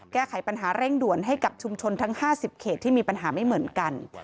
แก้ไขปัญหาเร่งด่วนให้กับชุมชนทั้ง๕๐เขตที่มีปัญหาไม่เหมือนกัน